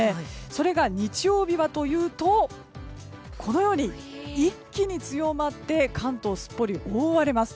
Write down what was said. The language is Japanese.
それが日曜日はというとこのように一気に強まって関東、すっぽり覆われます。